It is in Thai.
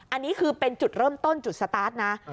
อันนี้คือเป็นจุดเริ่มต้นจุดสตาร์ทนะ